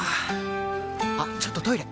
あっちょっとトイレ！